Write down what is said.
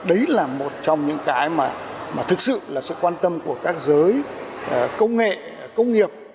đấy là một trong những cái mà thực sự là sự quan tâm của các giới công nghệ công nghiệp